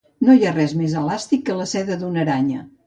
No hi ha res més elàstic que la seda d'una aranya.